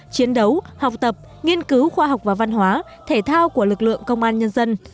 chiến đấu học tập nghiên cứu khoa học và văn hóa thể thao của lực lượng công an nhân dân